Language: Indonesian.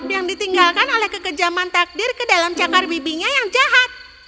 yang ditinggalkan oleh kekejaman takdir ke dalam cakar bibinya yang jahat